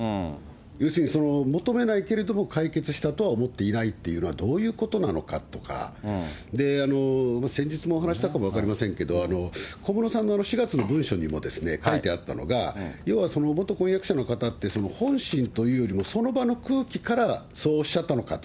要するに求めないけれども、解決したとは思っていないというのは、どういうことなのかとか、先日もお話ししたかも分かりませんけれども、小室さんの４月の文書にも書いてあったのが、要は元婚約者の方って、本心というよりも、その場の空気からそうおっしゃったのかと。